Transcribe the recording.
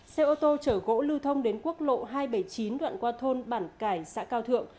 xe ô tô chở gỗ lưu thông đến quốc lộ hai trăm bảy mươi chín đoạn qua thôn bản cải xã cao thượng